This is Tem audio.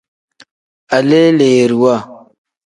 Aleleeriwa.